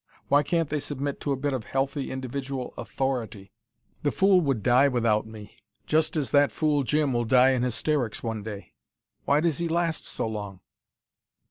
Why can't they submit to a bit of healthy individual authority? The fool would die, without me: just as that fool Jim will die in hysterics one day. Why does he last so long!